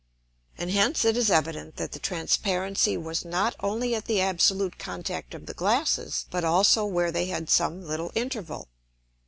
And hence it is evident, that the Transparency was not only at the absolute Contact of the Glasses, but also where they had some little Interval.